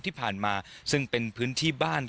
ที่ผ่านมาซึ่งเป็นพื้นที่บ้าน